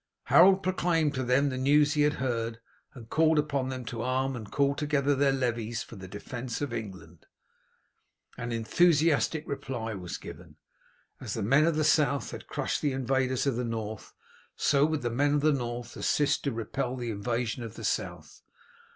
Harold proclaimed to them the news he had heard, and called upon them to arm and call together their levies for the defence of England. An enthusiastic reply was given. As the men of the South had crushed the invaders of the North, so would the men of the North assist to repel the invasion of the South.